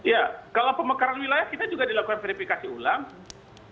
ya kalau pemekaran wilayah kita juga dilakukan verifikasi ulang